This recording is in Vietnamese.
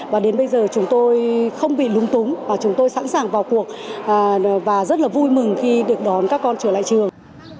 và đến bây giờ chúng tôi không bị lúng túng và chúng tôi sẵn sàng vào cuộc và rất là vui mừng khi được đón các con trở lại trường